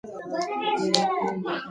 دا ډول عالمان درېیم ډول ګڼل کیږي.